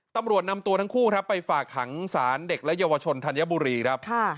ตำรวจนำตัวทั้งคู่ครับไปฝากขังสารเด็กและเยาวชนธัญบุรีครับ